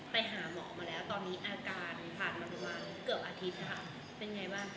ไปหาหมอมาแล้วตอนนี้อาการผ่านมาประมาณเกือบอาทิตย์นะคะเป็นไงบ้าง